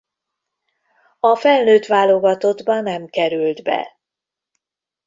A felnőtt válogatottba nem került be.